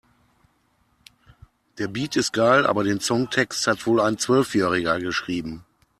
Der Beat ist geil, aber den Songtext hat wohl ein Zwölfjähriger geschrieben.